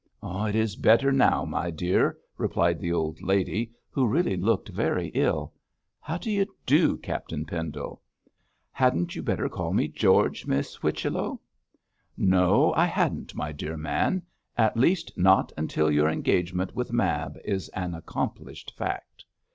'It is better now, my dear,' replied the old lady, who really looked very ill. 'How do you do, Captain Pendle?' 'Hadn't you better call me George, Miss Whichello?' 'No, I hadn't, my dear man; at least, not until your engagement with Mab is an accomplished fact.'